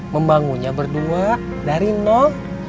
membangunnya berdua dari nol